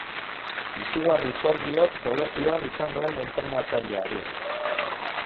Izugarri zor diot kolegioan izan nuen entrenatzaileari.